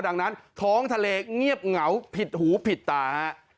ดังนั้นท้องทะเลเงียบเหงาผิดหูผิดตาฮะ